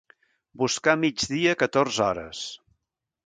Buscar migdia a catorze hores.